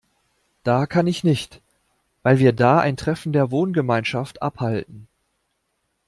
Da kann ich nicht, weil wir da ein Treffen der Wohngemeinschaft abhalten.